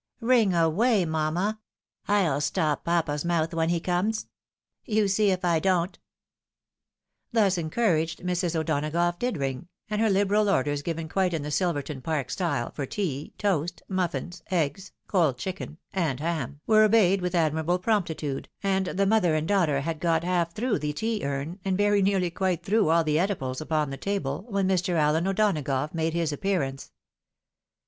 Ring away, mamma, I'll stop papa's mouth when he comes. You see if I don't." Thus encouraged, Mrs. O'Donagough did ring, and her liberal orders given quite in the Silverton park style, for tea, toast, muffins, eggs, cold chicken, and ham, were obeyed with admirable promptitude, and the mother and daughter had got half through the tea urn, and very nearly quite through all the eatables upon the table, when Mr. AUen O'Donagough made his appearance.